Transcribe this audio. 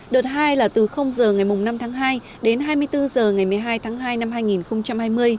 đợt hai là từ h ngày năm tháng hai đến hai mươi bốn h ngày một mươi hai tháng hai năm hai nghìn hai mươi